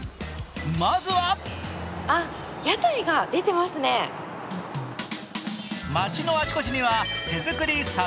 まずは街のあちこちには手づくりさ